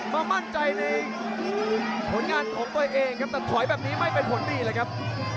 มามั่นใจในผลงานของตัวเองครับแต่ถอยแบบนี้ไม่เป็นผลดีเลยครับ